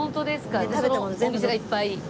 そのお店がいっぱい？